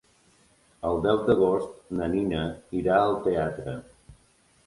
El deu d'agost na Nina irà al teatre.